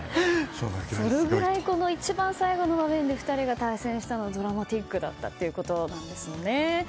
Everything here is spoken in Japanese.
それくらい、一番最後の場面でこの２人が対戦したのはドラマティックだったということなんですね。